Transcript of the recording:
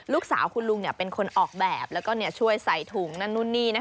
ลูกสาวคุณลุงเป็นคนออกแบบแล้วก็ช่วยใส่ถุงนั่นนู่นนี่